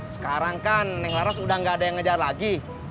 sekarang kan yang laras udah nggak ada yang ngejar lagi